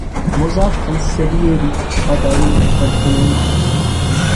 Mozart and Salieri are dining at an inn.